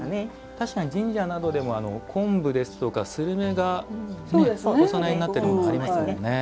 確かに神社などでも昆布ですとか、するめがお供えになっているものがありますよね。